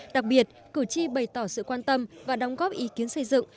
đặc biệt cử tri bày tỏ sự quan tâm và đóng góp ý kiến xây dựng